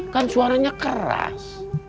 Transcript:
kan suaranya keras